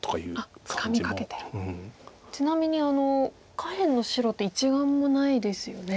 ちなみに下辺の白って一眼もないですよね。